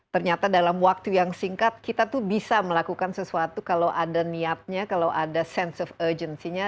ternyata dalam waktu yang singkat kita tuh bisa melakukan sesuatu kalau ada niatnya kalau ada sense of urgency nya